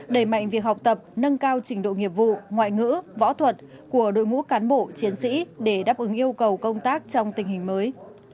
đẩy mạnh việc học tập nâng cao trình độ nghiệp vụ ngoại ngữ võ thuật của đội ngũ cán bộ chiến sĩ để đáp ứng yêu cầu công tác trong tình hình mới